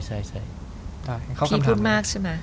พี่พูดมากใช่ไหม